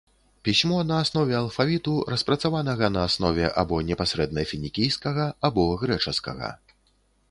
Пісьмо на аснове алфавіту, распрацаванага на аснове або непасрэдна фінікійскага, або грэчаскага.